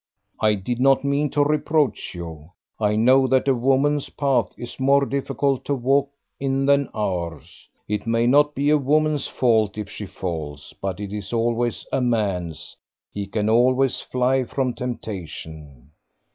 "I did not mean to reproach you; I know that a woman's path is more difficult to walk in than ours. It may not be a woman's fault if she falls, but it is always a man's. He can always fly from temptation."